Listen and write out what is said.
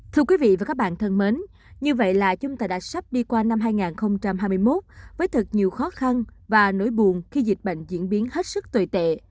thưa quý vị và các bạn thân mến như vậy là chúng ta đã sắp đi qua năm hai nghìn hai mươi một với thật nhiều khó khăn và nỗi buồn khi dịch bệnh diễn biến hết sức tồi tệ